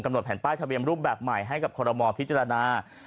หดแผ่นป้ายทะเบียนรูปแบบใหม่ให้กับคอรมอลพิจารณา